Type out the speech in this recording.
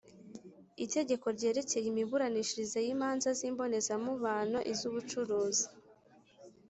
Itegeko ryerekeye imiburanishirize y’ imanza z’ imbonezamubano iz’ ubucuruzi